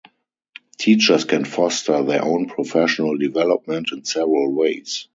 Teachers can foster their own professional development in several ways.